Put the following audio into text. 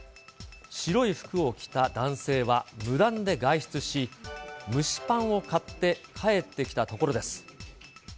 白い服を着た男性は無断で外出し、蒸しパンを買って帰ってきたところです。